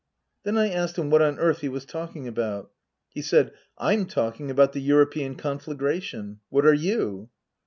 Then I asked him what on earth he was talking about. He said, " I'm talking about the European conflagra tion. What are you